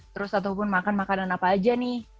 terus ataupun makan makanan apa aja nih